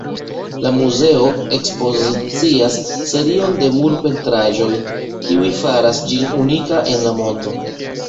La muzeo ekspozicias serion de murpentraĵoj kiu faras ĝin unika en la mondo.